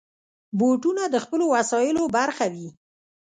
بوټونه د خپلو وسایلو برخه وي.